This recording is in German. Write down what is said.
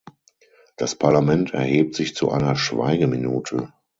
Das Parlament erhebt sich zu einer Schweigeminute.